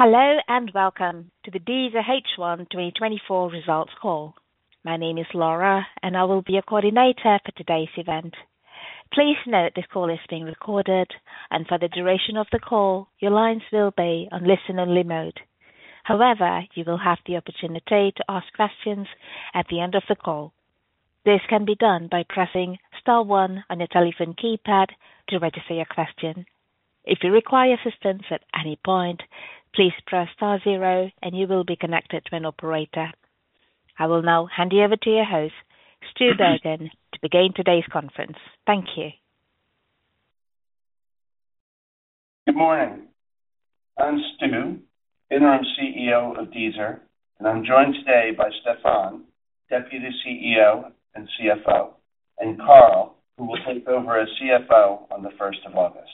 Hello and welcome to the Deezer H1 2024 results call. My name is Laura, and I will be your coordinator for today's event. Please note this call is being recorded, and for the duration of the call, your lines will be on listen-only mode. However, you will have the opportunity to ask questions at the end of the call. This can be done by pressing star one on your telephone keypad to register your question. If you require assistance at any point, please press star zero, and you will be connected to an operator. I will now hand you over to your host, Stu Bergen, to begin today's conference. Thank you. Good morning. I'm Stu, Interim CEO of Deezer, and I'm joined today by Stéphane, Deputy CEO and CFO, and Carl, who will take over as CFO on the 1st of August.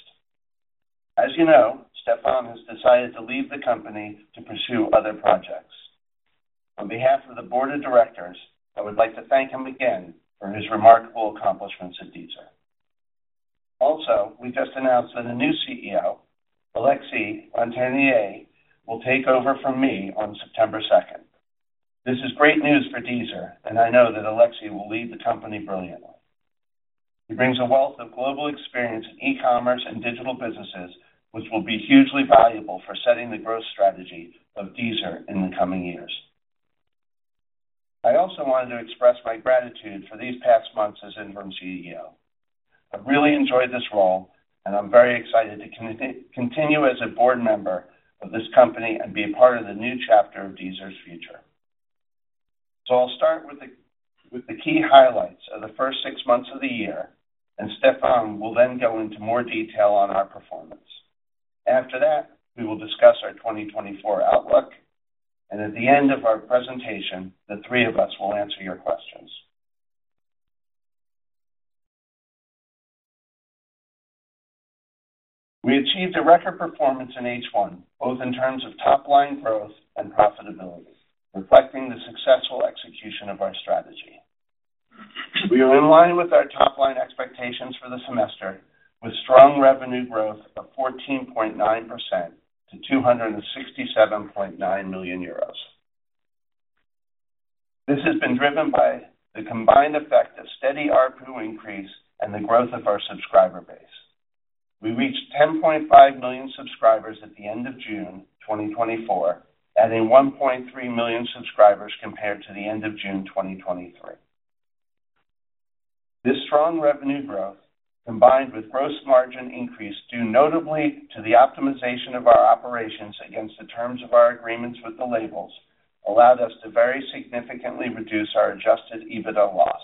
As you know, Stéphane has decided to leave the company to pursue other projects. On behalf of the board of directors, I would like to thank him again for his remarkable accomplishments at Deezer. Also, we just announced that a new CEO, Alexis Lanternier, will take over from me on September 2nd. This is great news for Deezer, and I know that Alexis will lead the company brilliantly. He brings a wealth of global experience in e-commerce and digital businesses, which will be hugely valuable for setting the growth strategy of Deezer in the coming years. I also wanted to express my gratitude for these past months as Interim CEO. I've really enjoyed this role, and I'm very excited to continue as a board member of this company and be a part of the new chapter of Deezer's future. So I'll start with the key highlights of the first six months of the year, and Stéphane will then go into more detail on our performance. After that, we will discuss our 2024 outlook, and at the end of our presentation, the three of us will answer your questions. We achieved a record performance in H1, both in terms of top-line growth and profitability, reflecting the successful execution of our strategy. We are in line with our top-line expectations for the semester, with strong revenue growth of 14.9% to 267.9 million euros. This has been driven by the combined effect of steady ARPU increase and the growth of our subscriber base. We reached 10.5 million subscribers at the end of June 2024, adding 1.3 million subscribers compared to the end of June 2023. This strong revenue growth, combined with gross margin increase due notably to the optimization of our operations against the terms of our agreements with the labels, allowed us to very significantly reduce our adjusted EBITDA loss.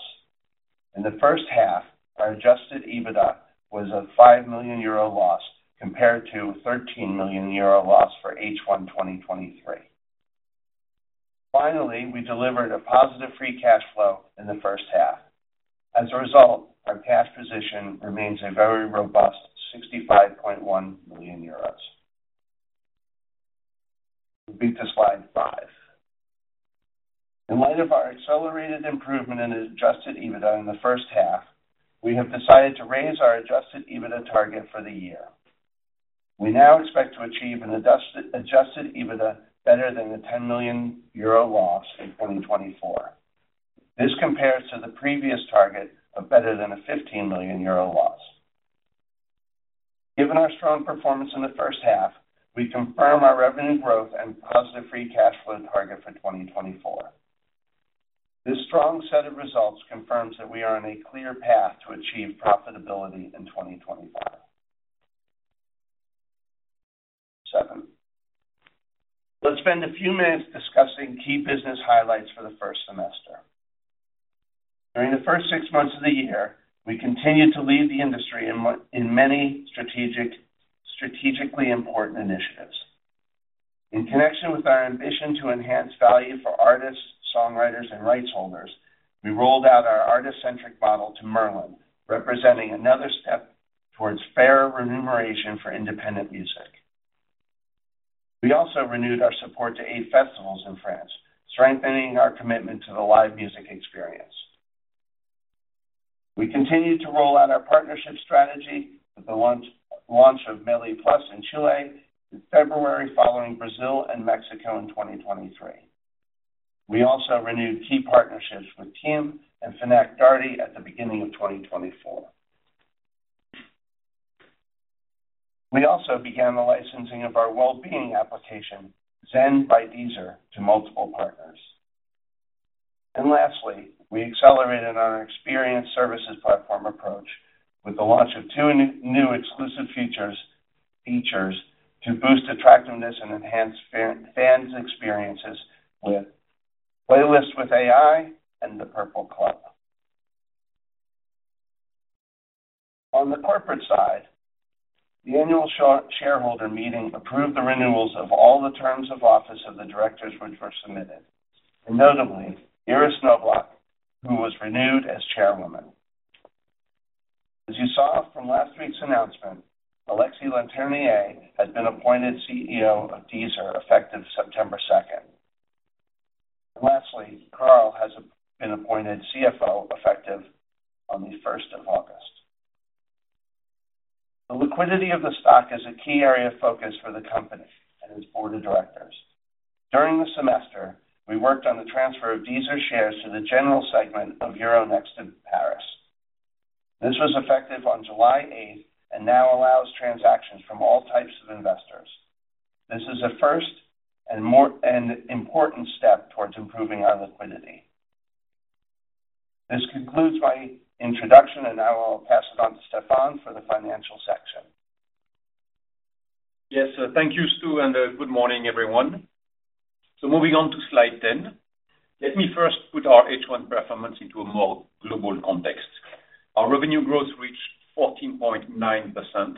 In the first half, our adjusted EBITDA was a 5 million euro loss compared to a 13 million euro loss for H1 2023. Finally, we delivered a positive free cash flow in the first half. As a result, our cash position remains a very robust 65.1 million euros. We'll move to slide 5. In light of our accelerated improvement in adjusted EBITDA in the first half, we have decided to raise our adjusted EBITDA target for the year. We now expect to achieve an adjusted EBITDA better than the 10 million euro loss in 2024. This compares to the previous target of better than a 15 million euro loss. Given our strong performance in the first half, we confirm our revenue growth and positive free cash flow target for 2024. This strong set of results confirms that we are on a clear path to achieve profitability in 2024. Seven. Let's spend a few minutes discussing key business highlights for the first semester. During the first six months of the year, we continue to lead the industry in many strategically important initiatives. In connection with our ambition to enhance value for artists, songwriters, and rights holders, we rolled out our Artist Centric model to Merlin, representing another step towards fair remuneration for independent music. We also renewed our support to eight festivals in France, strengthening our commitment to the live music experience. We continue to roll out our partnership strategy with the launch of Meli+ in Chile in February, following Brazil and Mexico in 2023. We also renewed key partnerships with TIM and Fnac Darty at the beginning of 2024. We also began the licensing of our well-being application, Zen by Deezer, to multiple partners. And lastly, we accelerated our experience services platform approach with the launch of two new exclusive features to boost attractiveness and enhance fans' experiences with Playlist with AI and the Purple Club. On the corporate side, the annual shareholder meeting approved the renewals of all the terms of office of the directors which were submitted, and notably, Iris Knobloch, who was renewed as chairwoman. As you saw from last week's announcement, Alexis Lanternier has been appointed CEO of Deezer effective September 2nd. Lastly, Carl has been appointed CFO effective on the 1st of August. The liquidity of the stock is a key area of focus for the company and its board of directors. During the semester, we worked on the transfer of Deezer shares to the General Segment of Euronext in Paris. This was effective on July 8th and now allows transactions from all types of investors. This is a first and important step towards improving our liquidity. This concludes my introduction, and now I'll pass it on to Stéphane for the financial section. Yes, thank you, Stu, and good morning, everyone. So moving on to slide 10, let me first put our H1 performance into a more global context. Our revenue growth reached 14.9%,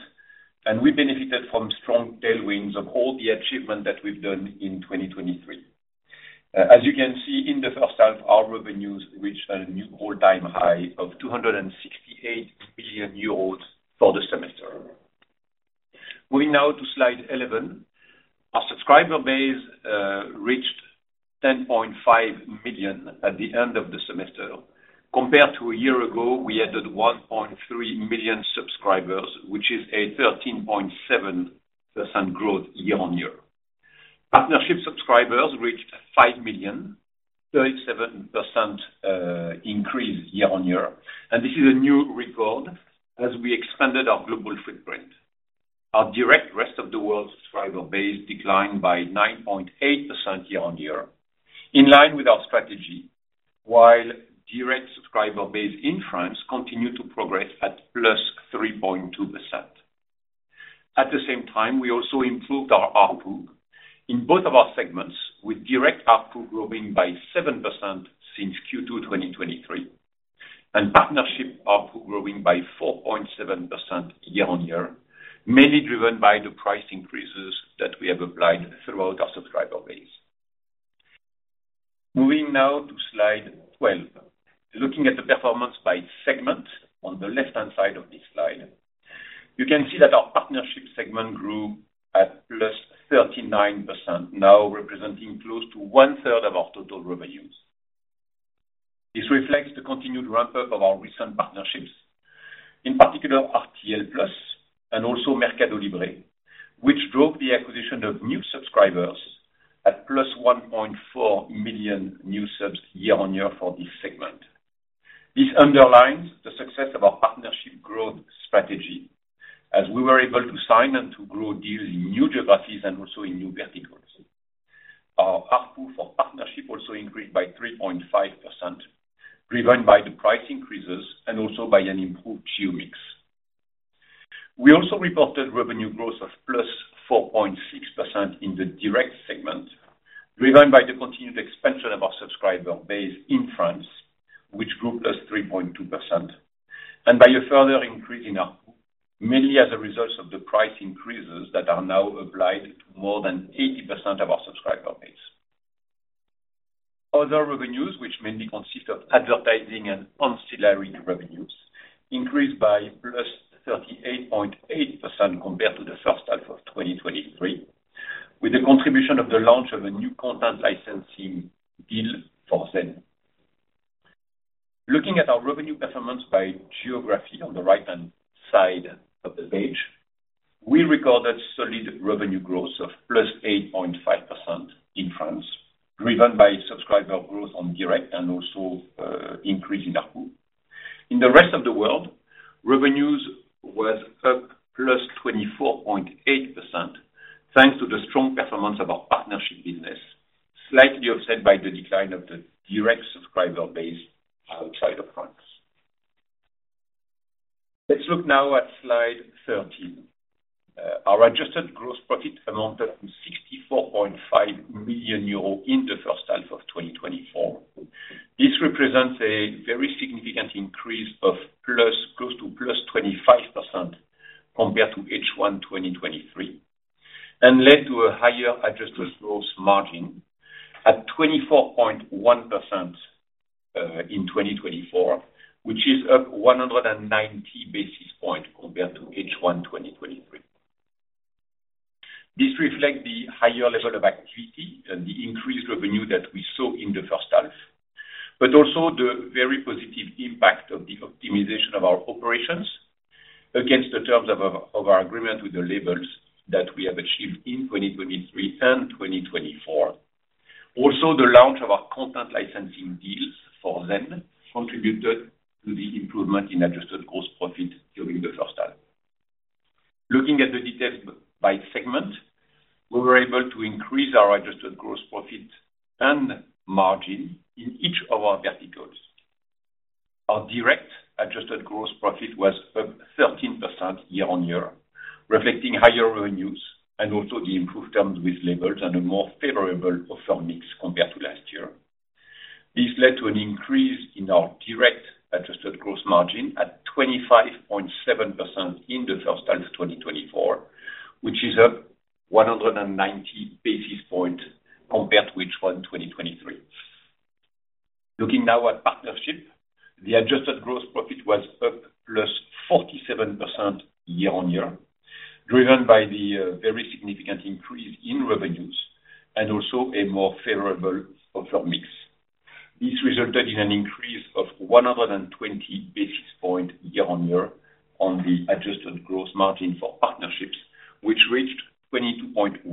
and we benefited from strong tailwinds of all the achievements that we've done in 2023. As you can see in the first half, our revenues reached a new all-time high of 268 million euros for the semester. Moving now to slide 11, our subscriber base reached 10.5 million at the end of the semester. Compared to a year ago, we added 1.3 million subscribers, which is a 13.7% growth year-over-year. Partnership subscribers reached 5 million, 37% increase year-over-year, and this is a new record as we expanded our global footprint. Our direct Rest of the World subscriber base declined by 9.8% year-on-year, in line with our strategy, while direct subscriber base in France continued to progress at +3.2%. At the same time, we also improved our ARPU in both of our segments, with direct ARPU growing by 7% since Q2 2023, and partnership ARPU growing by 4.7% year-on-year, mainly driven by the price increases that we have applied throughout our subscriber base. Moving now to slide 12, looking at the performance by segment on the left-hand side of this slide, you can see that our partnership segment grew at +39%, now representing close to one-third of our total revenues. This reflects the continued ramp-up of our recent partnerships, in particular RTL+ and also Mercado Libre, which drove the acquisition of new subscribers at +1.4 million new subs year-on-year for this segment. This underlines the success of our partnership growth strategy, as we were able to sign and to grow deals in new geographies and also in new verticals. Our ARPU for partnership also increased by 3.5%, driven by the price increases and also by an improved geo mix. We also reported revenue growth of +4.6% in the direct segment, driven by the continued expansion of our subscriber base in France, which grew +3.2%, and by a further increase in ARPU, mainly as a result of the price increases that are now applied to more than 80% of our subscriber base. Other revenues, which mainly consist of advertising and ancillary revenues, increased by +38.8% compared to the first half of 2023, with the contribution of the launch of a new content licensing deal for Zen. Looking at our revenue performance by geography on the right-hand side of the page, we recorded solid revenue growth of +8.5% in France, driven by subscriber growth on direct and also increase in ARPU. In the Rest of the World, revenues were up +24.8%, thanks to the strong performance of our partnership business, slightly offset by the decline of the direct subscriber base outside of France. Let's look now at slide 13. Our adjusted gross profit amounted to 64.5 million euro in the first half of 2024. This represents a very significant increase of plus close to plus 25% compared to H1 2023, and led to a higher adjusted gross margin at 24.1% in 2024, which is up 190 basis points compared to H1 2023. This reflects the higher level of activity and the increased revenue that we saw in the first half, but also the very positive impact of the optimization of our operations against the terms of our agreement with the labels that we have achieved in 2023 and 2024. Also, the launch of our content licensing deals for Zen contributed to the improvement in adjusted gross profit during the first half. Looking at the details by segment, we were able to increase our adjusted gross profit and margin in each of our verticals. Our direct adjusted gross profit was up 13% year-over-year, reflecting higher revenues and also the improved terms with labels and a more favorable offer mix compared to last year. This led to an increase in our direct adjusted gross margin at 25.7% in the first half of 2024, which is up 190 basis points compared to H1 2023. Looking now at partnership, the adjusted gross profit was up +47% year-over-year, driven by the very significant increase in revenues and also a more favorable offer mix. This resulted in an increase of 120 basis points year-over-year on the adjusted gross margin for partnerships, which reached 22.1%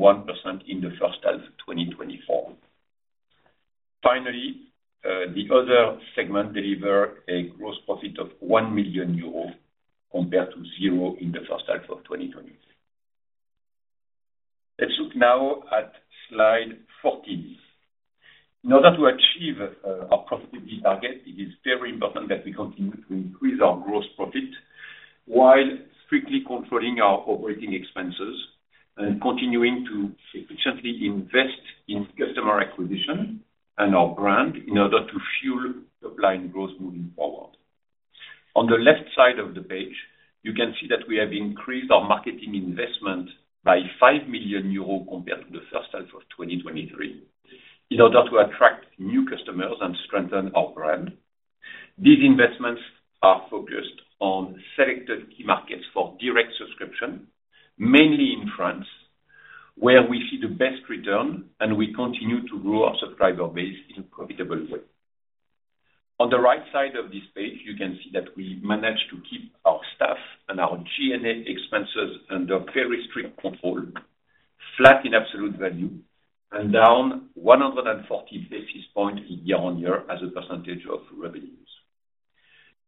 in the first half of 2024. Finally, the other segment delivered a gross profit of 1 million euros compared to zero in the first half of 2023. Let's look now at slide 14. In order to achieve our profitability target, it is very important that we continue to increase our gross profit while strictly controlling our operating expenses and continuing to efficiently invest in customer acquisition and our brand in order to fuel supply and growth moving forward. On the left side of the page, you can see that we have increased our marketing investment by 5 million euros compared to the first half of 2023 in order to attract new customers and strengthen our brand. These investments are focused on selected key markets for direct subscription, mainly in France, where we see the best return, and we continue to grow our subscriber base in a profitable way. On the right side of this page, you can see that we managed to keep our staff and our G&A expenses under very strict control, flat in absolute value, and down 140 basis points year-on-year as a percentage of revenues.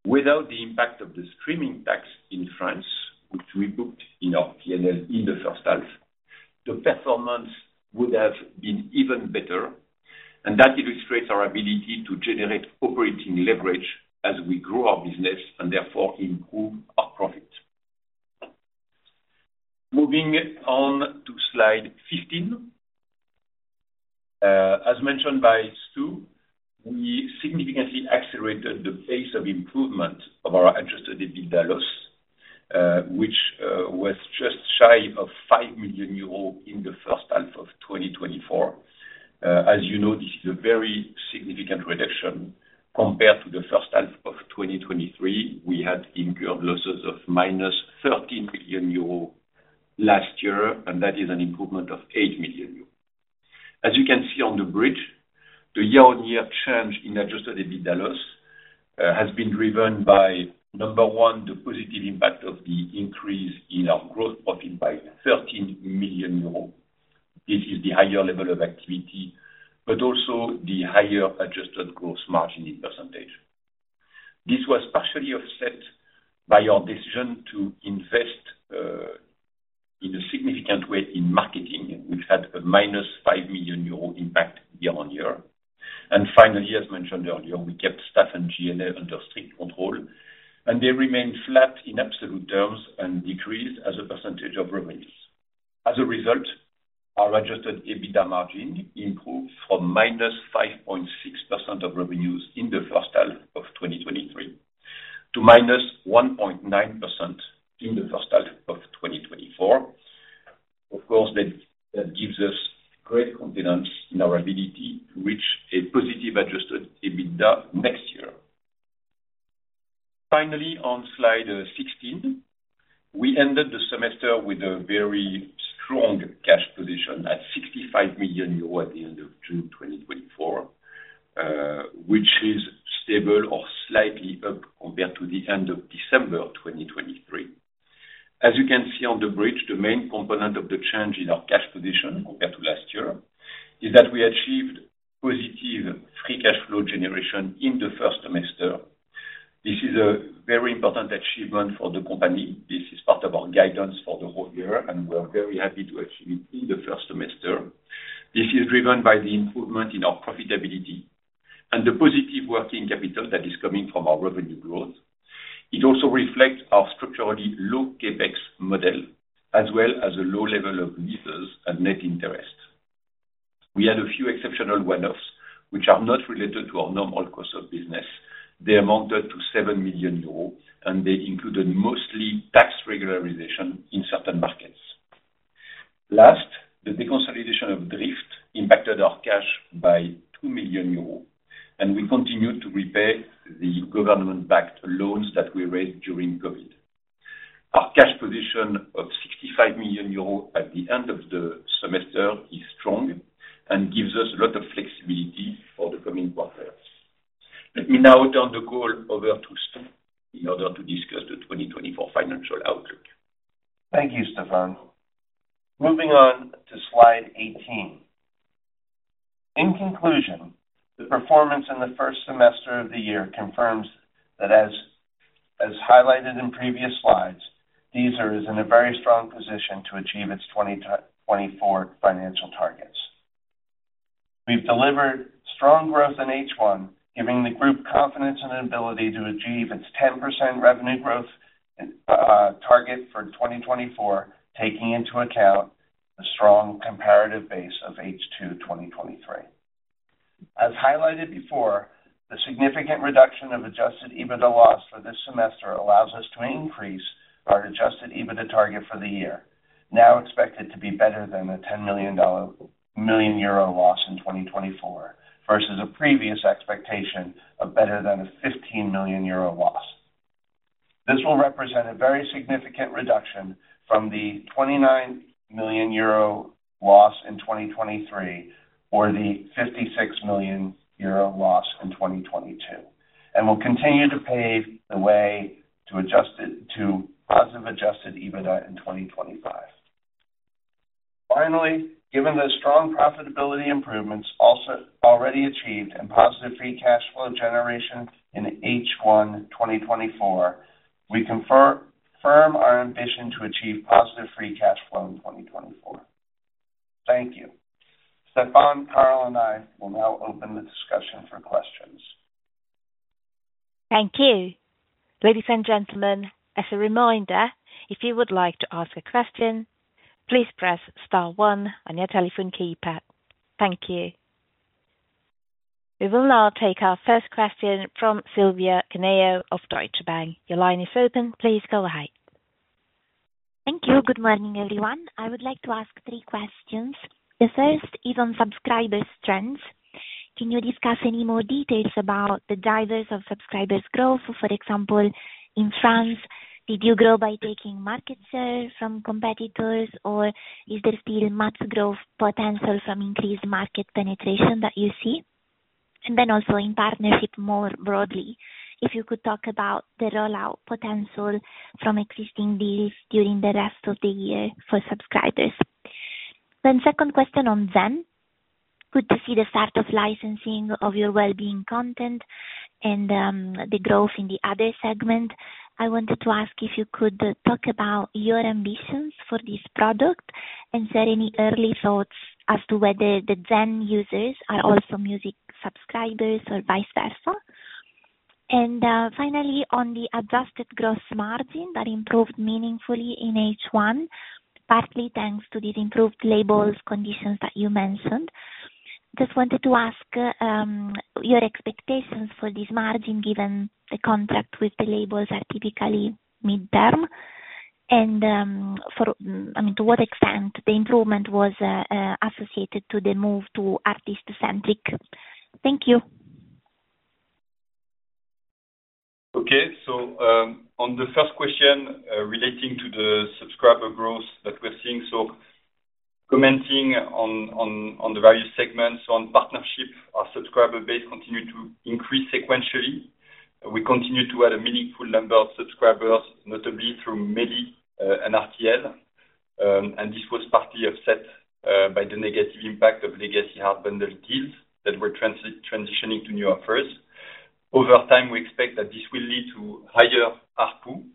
Without the impact of the streaming tax in France, which we booked in our P&L in the first half, the performance would have been even better, and that illustrates our ability to generate operating leverage as we grow our business and therefore improve our profit. Moving on to slide 15. As mentioned by Stu, we significantly accelerated the pace of improvement of our adjusted EBITDA loss, which was just shy of 5 million euros in the first half of 2024. As you know, this is a very significant reduction compared to the first half of 2023. We had incurred losses of -13 million euro last year, and that is an improvement of 8 million euro. As you can see on the bridge, the year-on-year change in adjusted EBITDA loss has been driven by, number one, the positive impact of the increase in our gross profit by 13 million euros. This is the higher level of activity, but also the higher adjusted gross margin in percentage. This was partially offset by our decision to invest in a significant way in marketing, which had a -5 million euro impact year-on-year. And finally, as mentioned earlier, we kept staff and G&A under strict control, and they remained flat in absolute terms and decreased as a percentage of revenues. As a result, our adjusted EBITDA margin improved from -5.6% of revenues in the first half of 2023 to -1.9% in the first half of 2024. Of course, that gives us great confidence in our ability to reach a positive adjusted EBITDA next year. Finally, on slide 16, we ended the semester with a very strong cash position at 65 million euros at the end of June 2024, which is stable or slightly up compared to the end of December 2023. As you can see on the bridge, the main component of the change in our cash position compared to last year is that we achieved positive free cash flow generation in the first semester. This is a very important achievement for the company. This is part of our guidance for the whole year, and we are very happy to achieve it in the first semester. This is driven by the improvement in our profitability and the positive working capital that is coming from our revenue growth. It also reflects our structurally low CapEx model, as well as a low level of levers and net interest. We had a few exceptional one-offs, which are not related to our normal cost of business. They amounted to 7 million euros, and they included mostly tax regularization in certain markets. Last, the deconsolidation of Driift impacted our cash by 2 million euros, and we continued to repay the government-backed loans that we raised during COVID. Our cash position of 65 million euros at the end of the semester is strong and gives us a lot of flexibility for the coming quarter. Let me now turn the call over to Stu in order to discuss the 2024 financial outlook. Thank you, Stéphane. Moving on to slide 18. In conclusion, the performance in the first semester of the year confirms that, as highlighted in previous slides, Deezer is in a very strong position to achieve its 2024 financial targets. We've delivered strong growth in H1, giving the group confidence in the ability to achieve its 10% revenue growth target for 2024, taking into account the strong comparative base of H2 2023. As highlighted before, the significant reduction of adjusted EBITDA loss for this semester allows us to increase our adjusted EBITDA target for the year, now expected to be better than a EUR 10 million loss in 2024, versus a previous expectation of better than a 15 million euro loss. This will represent a very significant reduction from the 29 million euro loss in 2023 or the 56 million euro loss in 2022, and we'll continue to pave the way to positive adjusted EBITDA in 2025. Finally, given the strong profitability improvements already achieved and positive free cash flow generation in H1 2024, we confirm our ambition to achieve positive free cash flow in 2024. Thank you. Stéphane, Carl, and I will now open the discussion for questions. Thank you. Ladies and gentlemen, as a reminder, if you would like to ask a question, please press star one on your telephone keypad. Thank you. We will now take our first question from Silvia Cuneo of Deutsche Bank. Your line is open. Please go ahead. Thank you. Good morning, everyone. I would like to ask three questions. The first is on subscriber strength. Can you discuss any more details about the drivers of subscriber growth? For example, in France, did you grow by taking market share from competitors, or is there still much growth potential from increased market penetration that you see? And then also in partnership more broadly, if you could talk about the rollout potential from existing deals during the rest of the year for subscribers. Then second question on Zen. Good to see the start of licensing of your well-being content and the growth in the other segment. I wanted to ask if you could talk about your ambitions for this product and share any early thoughts as to whether the Zen users are also music subscribers or vice versa. Finally, on the adjusted gross margin that improved meaningfully in H1, partly thanks to these improved labels conditions that you mentioned, just wanted to ask your expectations for this margin given the contract with the labels are typically mid-term and to what extent the improvement was associated to the move to Artist Centric? Thank you. Okay. So on the first question relating to the subscriber growth that we're seeing, so commenting on the various segments, on partnership, our subscriber base continued to increase sequentially. We continue to add a meaningful number of subscribers, notably through Meli and RTL, and this was partly offset by the negative impact of legacy hard bundled deals that were transitioning to new offers. Over time, we expect that this will lead to higher ARPU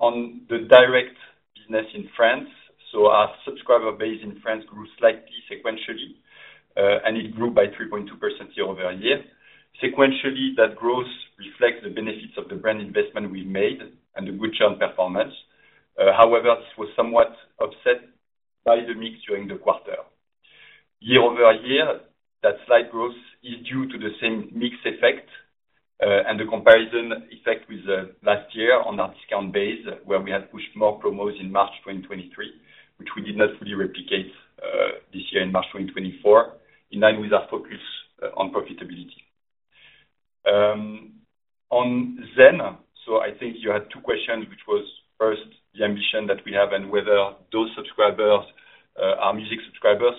on the direct business in France. So our subscriber base in France grew slightly sequentially, and it grew by 3.2% year-over-year. Sequentially, that growth reflects the benefits of the brand investment we've made and the good churn performance. However, this was somewhat offset by the mix during the quarter. Year over year, that slight growth is due to the same mix effect and the comparison effect with last year on our discount base, where we had pushed more promos in March 2023, which we did not fully replicate this year in March 2024, in line with our focus on profitability. On Zen, so I think you had two questions, which was first, the ambition that we have and whether those subscribers are music subscribers.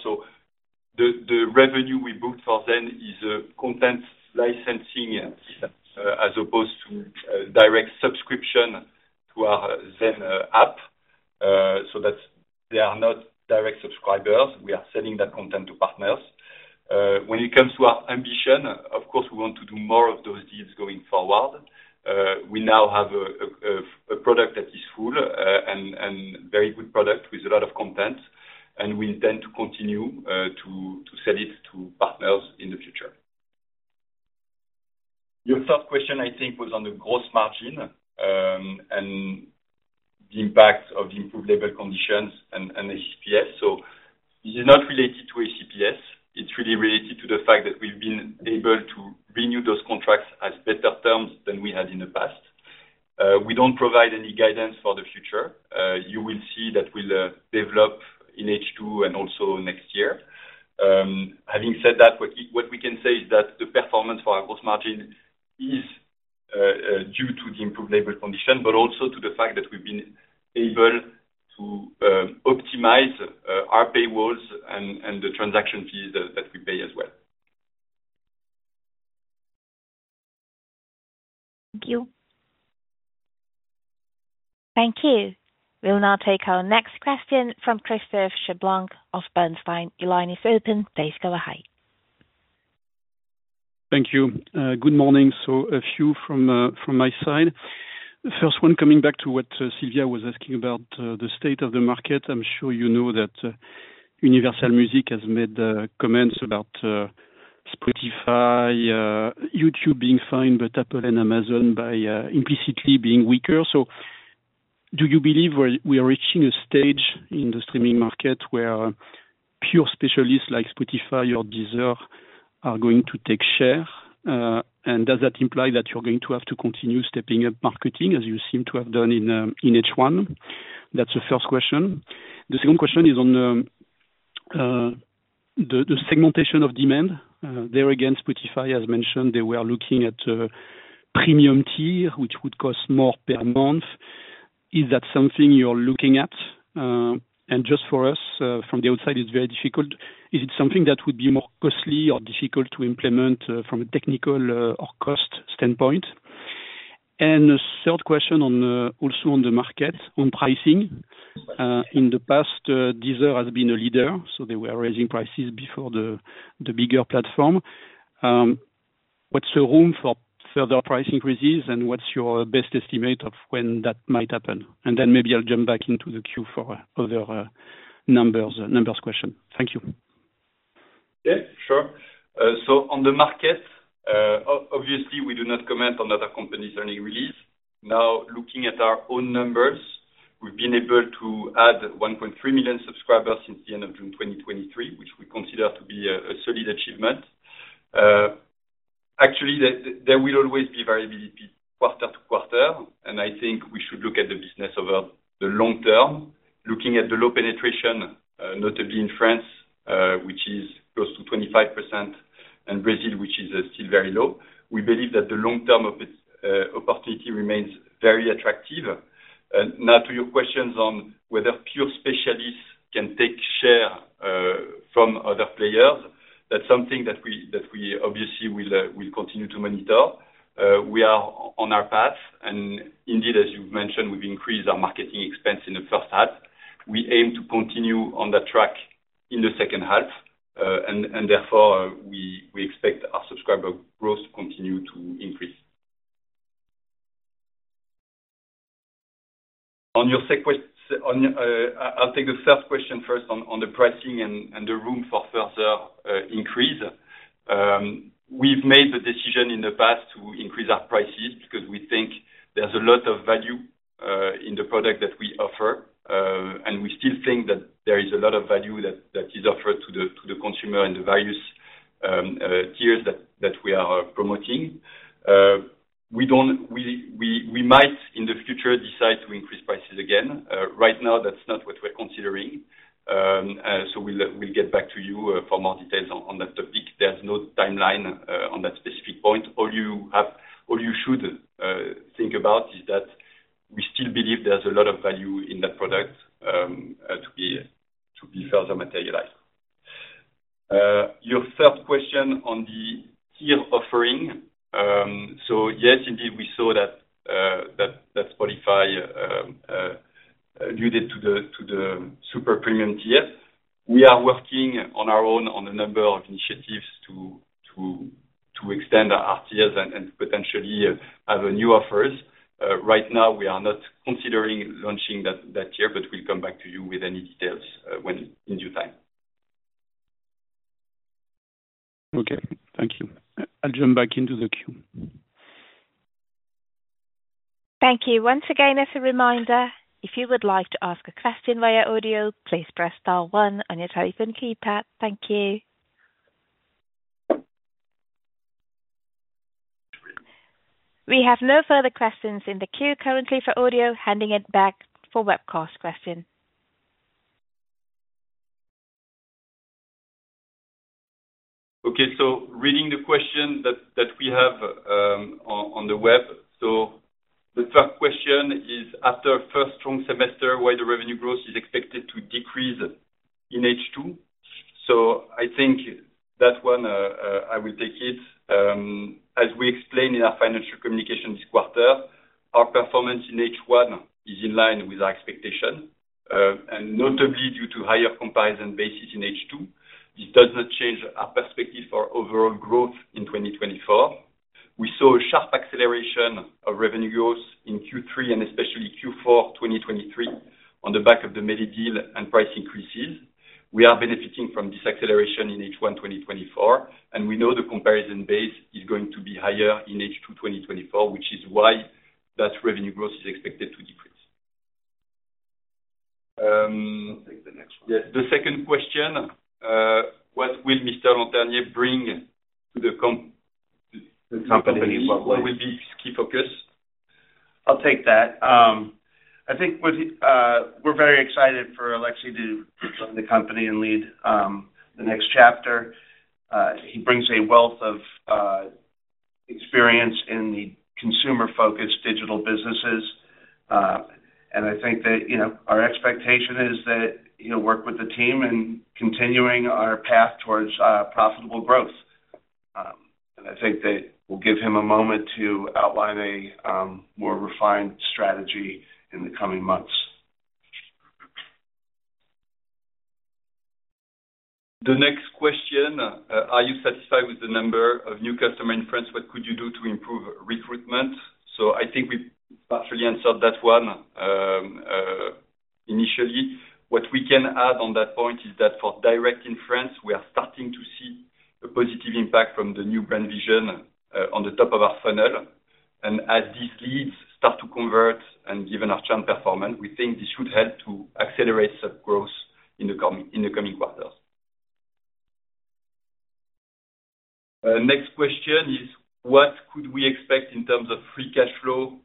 So the revenue we booked for Zen is content licensing as opposed to direct subscription to our Zen app. So that they are not direct subscribers. We are selling that content to partners. When it comes to our ambition, of course, we want to do more of those deals going forward. We now have a product that is full and a very good product with a lot of content, and we intend to continue to sell it to partners in the future. Your first question, I think, was on the gross margin and the impact of improved label conditions and ACPS. So this is not related to ACPS. It's really related to the fact that we've been able to renew those contracts on better terms than we had in the past. We don't provide any guidance for the future. You will see that we'll develop in H2 and also next year. Having said that, what we can say is that the performance for our gross margin is due to the improved label conditions, but also to the fact that we've been able to optimize our paywalls and the transaction fees that we pay as well. Thank you. Thank you. We'll now take our next question from Christophe Cherblanc of Bernstein. Your line is open. Please go ahead. Thank you. Good morning. So a few from my side. First one, coming back to what Silvia was asking about the state of the market, I'm sure you know that Universal Music has made comments about Spotify, YouTube being fine, but Apple and Amazon by implicitly being weaker. So do you believe we are reaching a stage in the streaming market where pure specialists like Spotify or Deezer are going to take share? And does that imply that you're going to have to continue stepping up marketing as you seem to have done in H1? That's the first question. The second question is on the segmentation of demand. There again, Spotify has mentioned they were looking at a premium tier, which would cost more per month. Is that something you're looking at? And just for us, from the outside, it's very difficult. Is it something that would be more costly or difficult to implement from a technical or cost standpoint? And the third question also on the market, on pricing. In the past, Deezer has been a leader, so they were raising prices before the bigger platform. What's the room for further price increases, and what's your best estimate of when that might happen? And then maybe I'll jump back into the queue for other numbers question. Thank you. Yeah, sure. So on the market, obviously, we do not comment on other companies' earnings release. Now, looking at our own numbers, we've been able to add 1.3 million subscribers since the end of June 2023, which we consider to be a solid achievement. Actually, there will always be variability quarter to quarter, and I think we should look at the business over the long term, looking at the low penetration, notably in France, which is close to 25%, and Brazil, which is still very low. We believe that the long-term opportunity remains very attractive. Now, to your questions on whether pure specialists can take share from other players, that's something that we obviously will continue to monitor. We are on our path, and indeed, as you've mentioned, we've increased our marketing expense in the first half. We aim to continue on that track in the second half, and therefore, we expect our subscriber growth to continue to increase. I'll take the first question first on the pricing and the room for further increase. We've made the decision in the past to increase our prices because we think there's a lot of value in the product that we offer, and we still think that there is a lot of value that is offered to the consumer and the various tiers that we are promoting. We might, in the future, decide to increase prices again. Right now, that's not what we're considering. So we'll get back to you for more details on that topic. There's no timeline on that specific point. All you should think about is that we still believe there's a lot of value in that product to be further materialized. Your third question on the tier offering. So yes, indeed, we saw that Spotify alluded to the super premium tier. We are working on our own on a number of initiatives to extend our tiers and potentially have new offers. Right now, we are not considering launching that tier, but we'll come back to you with any details in due time. Okay. Thank you. I'll jump back into the queue. Thank you. Once again, as a reminder, if you would like to ask a question via audio, please press star one on your telephone keypad. Thank you. We have no further questions in the queue currently for audio. Handing it back for webcast question. Okay. So reading the question that we have on the web, so the first question is, after a first strong semester, why the revenue growth is expected to decrease in H2? So I think that one I will take it. As we explained in our financial communication this quarter, our performance in H1 is in line with our expectation, and notably due to higher comparison bases in H2. This does not change our perspective for overall growth in 2024. We saw a sharp acceleration of revenue growth in Q3 and especially Q4 2023 on the back of the Meli deal and price increases. We are benefiting from this acceleration in H1 2024, and we know the comparison base is going to be higher in H2 2024, which is why that revenue growth is expected to decrease. The second question, what will Mr. Lanternier bring to the company? What will be his key focus? I'll take that. I think we're very excited for Alexis to join the company and lead the next chapter. He brings a wealth of experience in the consumer-focused digital businesses, and I think that our expectation is that he'll work with the team in continuing our path towards profitable growth. I think that we'll give him a moment to outline a more refined strategy in the coming months. The next question: Are you satisfied with the number of new customers in France? What could you do to improve recruitment? So, I think we partially answered that one initially. What we can add on that point is that for direct in France, we are starting to see a positive impact from the new brand vision on the top of our funnel. And as these leads start to convert and given our churn performance, we think this should help to accelerate growth in the coming quarters. Next question is: What could we expect in terms of free cash flow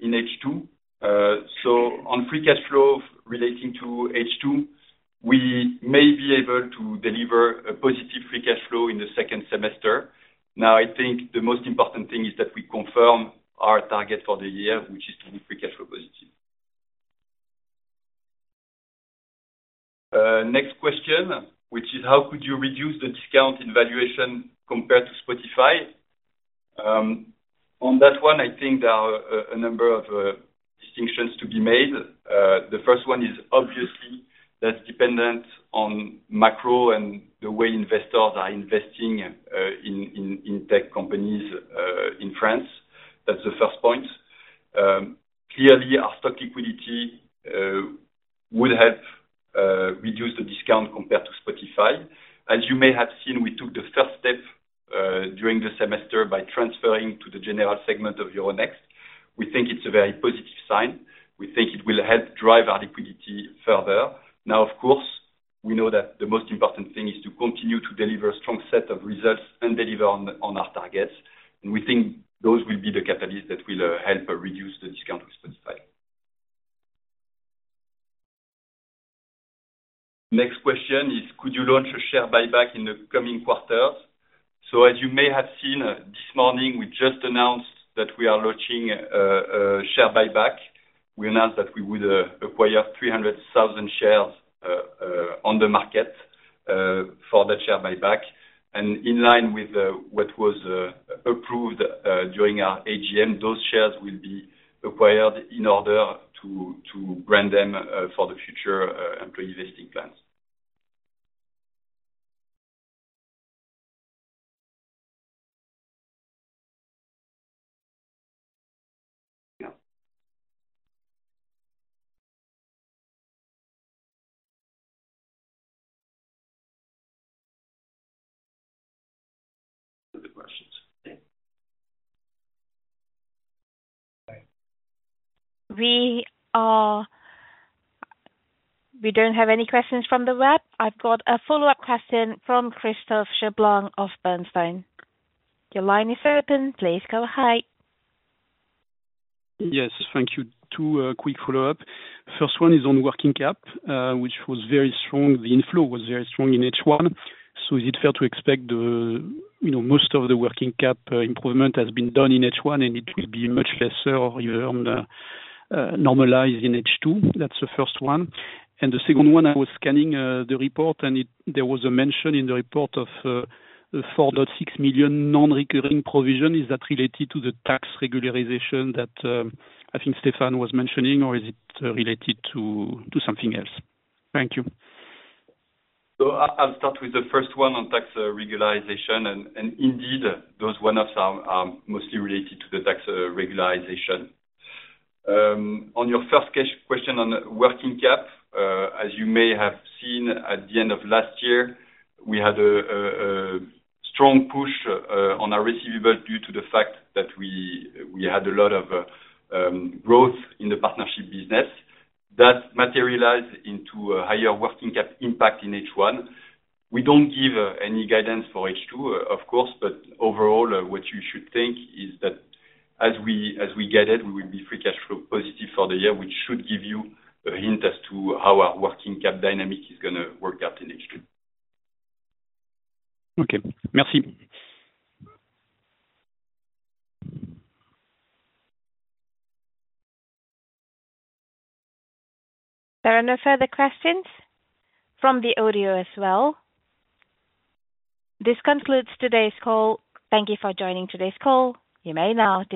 in H2? So, on free cash flow relating to H2, we may be able to deliver a positive free cash flow in the second semester. Now, I think the most important thing is that we confirm our target for the year, which is to be free cash flow positive. Next question, which is, how could you reduce the discount in valuation compared to Spotify? On that one, I think there are a number of distinctions to be made. The first one is obviously that's dependent on macro and the way investors are investing in tech companies in France. That's the first point. Clearly, our stock liquidity would help reduce the discount compared to Spotify. As you may have seen, we took the first step during the semester by transferring to the General Segment of Euronext. We think it's a very positive sign. We think it will help drive our liquidity further. Now, of course, we know that the most important thing is to continue to deliver a strong set of results and deliver on our targets. And we think those will be the catalysts that will help reduce the discount with Spotify. Next question is, could you launch a share buyback in the coming quarters? So as you may have seen this morning, we just announced that we are launching a share buyback. We announced that we would acquire 300,000 shares on the market for that share buyback. In line with what was approved during our AGM, those shares will be acquired in order to grant them for the future employee vesting plans. We don't have any questions from the web. I've got a follow-up question from Christophe Cherblanc of Bernstein. Your line is open. Please go ahead. Yes, thank you. Two quick follow-ups. First one is on working cap, which was very strong. The inflow was very strong in H1. So is it fair to expect most of the working cap improvement has been done in H1 and it will be much lesser or even normalized in H2? That's the first one. And the second one, I was scanning the report and there was a mention in the report of 4.6 million non-recurring provision. Is that related to the tax regularization that I think Stéphane was mentioning, or is it related to something else? Thank you. I'll start with the first one on tax regularization. Indeed, those one-offs are mostly related to the tax regularization. On your first question on working cap, as you may have seen at the end of last year, we had a strong push on our receivable due to the fact that we had a lot of growth in the partnership business. That materialized into a higher working cap impact in H1. We don't give any guidance for H2, of course, but overall, what you should think is that as we get it, we will be free cash flow positive for the year, which should give you a hint as to how our working cap dynamic is going to work out in H2. Okay. Merci. There are no further questions from the audio as well. This concludes today's call. Thank you for joining today's call. You may now.